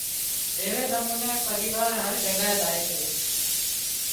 ايوي نموني پريوار هر جگائي زائي سي